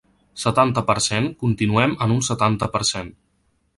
Setanta per cent Continuem en un setanta per cent.